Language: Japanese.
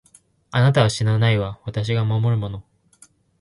あなたは死なないわ、私が守るもの。